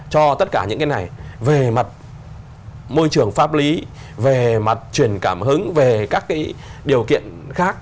cho tất cả những cái này về mặt môi trường pháp lý về mặt truyền cảm hứng về các cái điều kiện khác